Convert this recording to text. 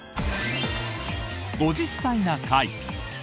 「５０歳な会」。